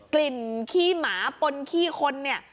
กลิ่นขี้หมาปนขี้คนเนี่ย